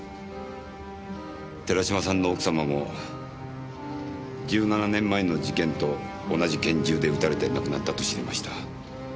寺島さんの奥様も１７年前の事件と同じ拳銃で撃たれて亡くなったと知りました。